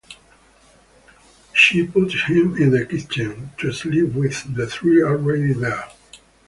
She puts him in the kitchen to sleep with the three already there.